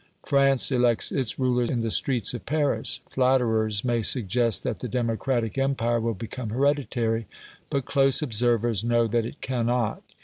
France elects its ruler in the streets of Paris. Flatterers may suggest that the democratic empire will become hereditary, but close observers know that it cannot.